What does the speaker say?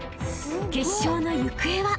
［決勝の行方は？］